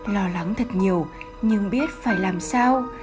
lo lắng thật nhiều nhưng biết phải làm sao